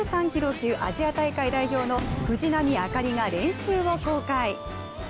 級アジア大会代表の藤波朱理が練習を公開。